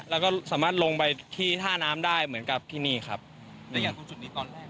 แล้วก็สามารถลงไปที่ท่าน้ำได้เหมือนกับที่นี่ครับแล้วอย่างตรงจุดนี้ตอนแรก